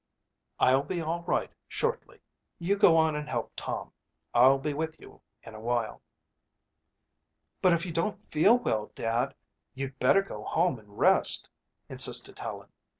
I'll be all right shortly. You go on and help Tom. I'll be with you in a while." "But if you don't feel well, Dad, you'd better go home and rest," insisted Helen.